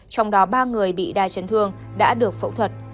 trong đó ba người bị đa chấn thương đã được phẫu thuật